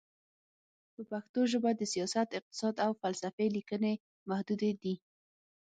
په پښتو ژبه د سیاست، اقتصاد، او فلسفې لیکنې محدودې دي.